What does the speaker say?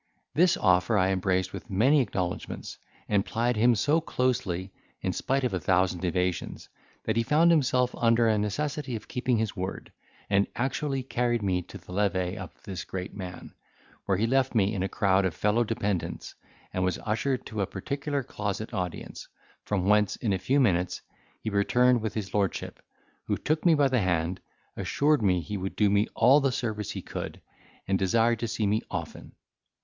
This offer I embraced with many acknowledgments, and plied him so closely, in spite of a thousand evasions, that he found himself under a necessity of keeping his word, and actually carried me to the levee of this great man, where he left me in a crowd of fellow dependents, and was ushered to a particular closet audience; from whence, in a few minutes, he returned with his lordship, who took me by the hand, assured me he would do me all the service he could, and desired to see me often.